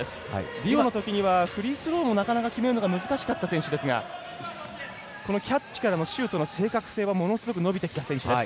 リオのときにはフリースローもなかなか決めるのが難しかった選手ですがキャッチからのシュートの正確性ものすごく伸びてきた選手です。